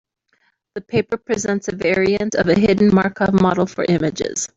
The paper presents a variant of a hidden Markov model for images.